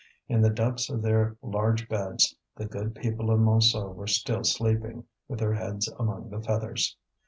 In the depths of their large beds the good people of Montsou were still sleeping, with their heads among the feathers.